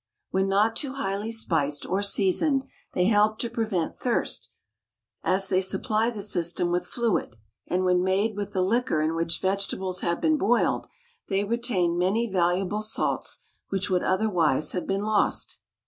When not too highly spiced or seasoned they help to prevent thirst, as they supply the system with fluid, and when made with the liquor in which vegetables have been boiled they retain many valuable salts which would otherwise have been lost.